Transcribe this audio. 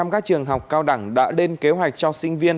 một trăm linh các trường học cao đẳng đã lên kế hoạch cho sinh viên